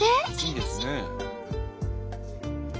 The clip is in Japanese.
いいですね。